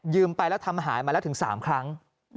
ไปแล้วทำหายมาแล้วถึง๓ครั้ง